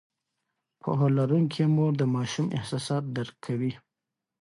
پوهه لرونکې مور د ماشوم احساسات درک کوي.